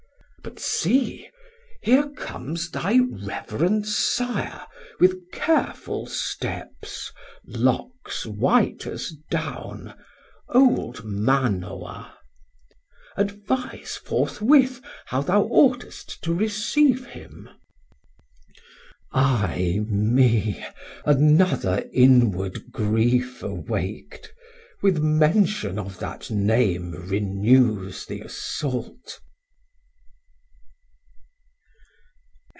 But see here comes thy reverend Sire With careful step, Locks white as doune, Old Manoah: advise Forthwith how thou oughtst to receive him. Sam: Ay me, another inward grief awak't, 330 With mention of that name renews th' assault.